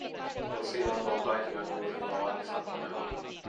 Rosinalla on taikinanjuuri jo valmis happanemaan.